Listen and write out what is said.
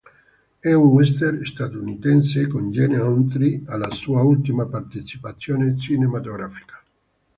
È un western statunitense con Gene Autry, alla sua ultima partecipazione cinematografica.